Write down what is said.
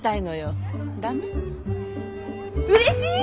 うれしい！